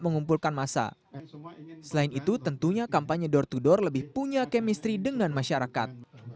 mengumpulkan masa selain itu tentunya kampanye door to door lebih punya kemistri dengan masyarakat